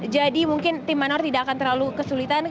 jadi mungkin tim manor tidak akan terlalu kesulitan